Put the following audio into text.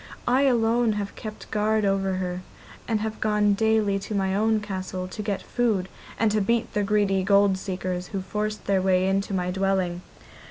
I alone have kept guard over her, and have gone daily to my own castle to get food and to beat the greedy gold seekers who forced their way into my dwelling.